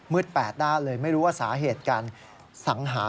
มืดแปดได้เลยไม่รู้ว่าสาเหตุการสังหา